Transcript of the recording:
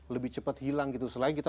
lebih cepat hilang gitu selain kita